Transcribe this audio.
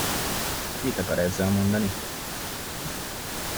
Mit akar ezzel mondani?